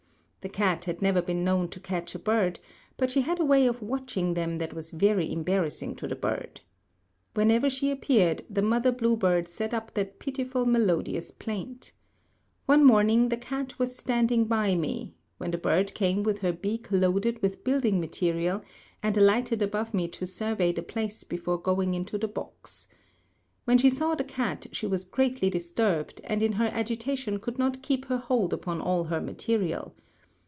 The cat had never been known to catch a bird, but she had a way of watching them that was very embarrassing to the bird. Whenever she appeared, the mother bluebird set up that pitiful melodious plaint. One morning the cat was standing by me, when the bird came with her beak loaded with building material, and alighted above me to survey the place before going into the box. When she saw the cat she was greatly disturbed, and in her agitation could not keep her hold upon all her material.